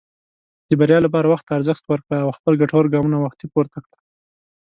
د بریا لپاره وخت ته ارزښت ورکړه، او خپل ګټور ګامونه وختي پورته کړه.